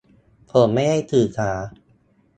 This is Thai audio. ผมไม่ได้ถือสา